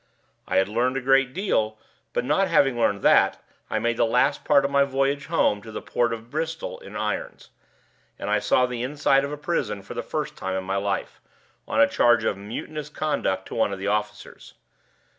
I had learned a great deal; but, not having learned that, I made the last part of my last voyage home to the port of Bristol in irons; and I saw the inside of a prison for the first time in my life, on a charge of mutinous conduct to one of my officers.